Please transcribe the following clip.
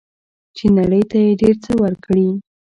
چې نړۍ ته یې ډیر څه ورکړي.